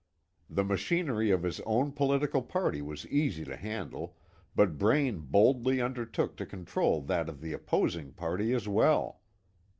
The machinery of his own political party was easy to handle, but Braine boldly undertook to control that of the opposing party as well.